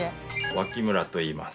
脇村といいます。